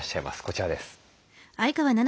こちらです。